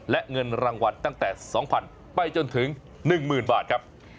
และเงินรางวัลตั้งแต่๒๐๐๐ไปจนถึง๑๐๐๐บาทครับ